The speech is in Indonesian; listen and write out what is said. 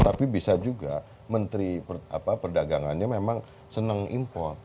tapi bisa juga menteri perdagangannya memang senang impor